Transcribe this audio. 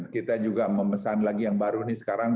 kita juga memesan lagi yang baru ini sekarang